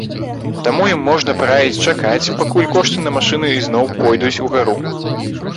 Таму ім можна параіць чакаць, пакуль кошты на машыны ізноў пойдуць у гару.